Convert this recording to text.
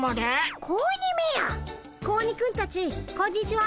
子鬼くんたちこんにちは。